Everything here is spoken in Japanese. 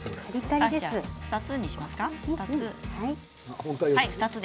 ２つにしますか？